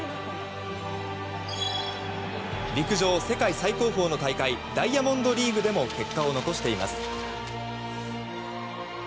陸上世界最高峰の大会ダイヤモンドリーグでも結果を残しています。